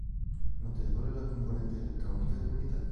Notevole la componente elettronica dell'unità.